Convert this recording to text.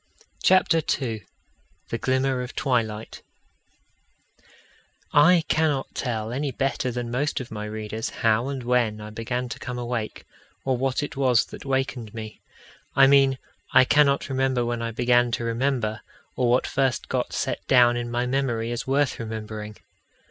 CHAPTER II The Glimmer of Twilight I cannot tell any better than most of my readers how and when I began to come awake, or what it was that wakened me. I mean, I cannot remember when I began to remember, or what first got set down in my memory as worth remembering.